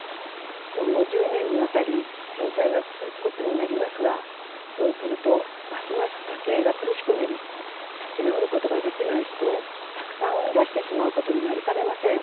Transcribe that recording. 今後１０年にわたり返済が続くことになりますがそうするとますます家計が苦しくなり立ち直ることができない人をたくさん生み出してしまうことになりかねません。